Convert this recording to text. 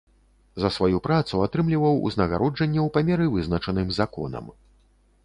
За сваю працу атрымліваў узнагароджанне ў памеры, вызначаным законам.